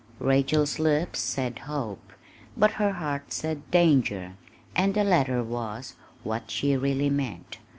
Rachel's lips said "hope," but her heart said "danger," and the latter was what she really meant.